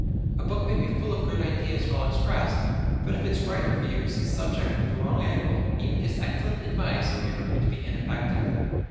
A book may be full of good ideas well expressed, but if its writer views his subject from the wrong angle even his excellent advice may prove to be ineffective.